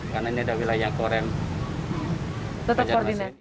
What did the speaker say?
karena ini adalah wilayah korem